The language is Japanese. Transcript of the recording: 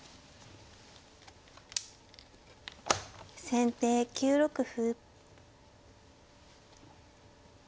先手９六歩。